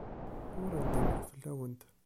Ur ndimeɣ fell-awent.